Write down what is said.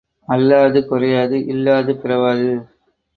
அள்ளாது குறையாது இல்லாது பிறவாது.